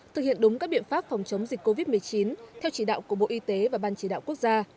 thực hiện đúng các biện pháp phòng chống dịch covid một mươi chín theo chỉ đạo của bộ y tế và ban chỉ đạo quốc gia